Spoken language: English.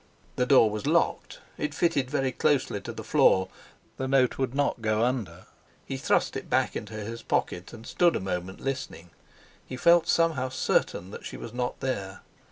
The door was locked. It fitted very closely to the floor; the note would not go under. He thrust it back into his pocket, and stood a moment listening. He felt somehow certain that she was not there.